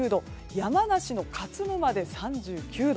山梨の勝沼で３９度。